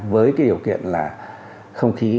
với điều kiện là không khí